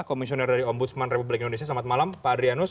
komisioner dari ombudsman republik indonesia selamat malam pak adrianus